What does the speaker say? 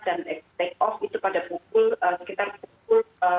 jadi mereka naik pesawat pada pukul tujuh